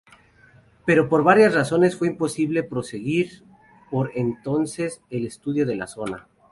Pero por varias razones fue imposible proseguir por entonces el estudio de la zona.